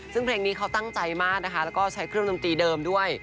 ซึ่งเพลงนี้เขาตั้งใจมากนะคะแล้วก็ใช้เครื่องดนตรีเดิมด้วย